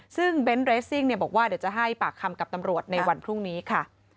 ซึ่งเบนท์เรสซิ่งบอกว่าเดี๋ยวจะให้ปากคำกับตำรวจในวันพรุ่งนี้ค่ะ